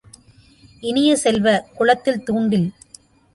இனிய செல்வ, குளத்தில் தூண்டில்!